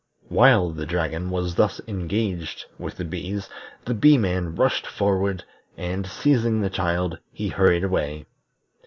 While the dragon was thus engaged with the bees, the Bee man rushed forward, and, seizing the child, he hurried away.